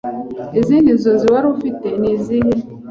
Izindi nzozi wari ufite ni izihe